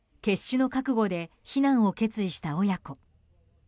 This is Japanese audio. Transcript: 決死の覚悟で避難を決意した親子。